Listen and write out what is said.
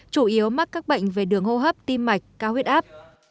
chủ yếu mắc các bệnh về đường hô hấp tim mạch cao huyết áp